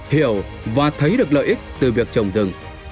hiểu và thấy được lợi ích từ việc trồng rừng